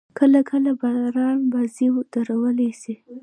کله – کله باران بازي درولای سي.